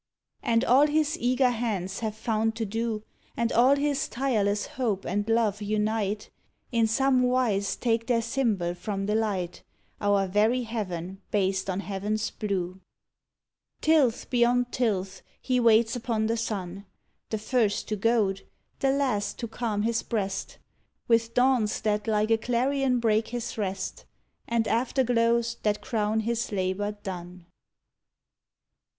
And all his eager hands have found to do, And all his tireless hope and love unite. In some wise take their symbol from the light, Our very Heaven based on heaven's blue. 84 "THE GUERDON OF "THE SUN Tilth beyond tilth, he waits upon the sun, The first to goad, the last to calm his breast, With dawns that like a clarion break his rest. And after glows that crown his labor done.